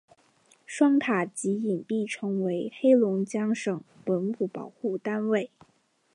双塔及影壁成为黑龙江省文物保护单位。